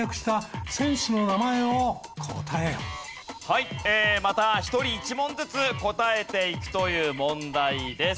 はいまた１人１問ずつ答えていくという問題です。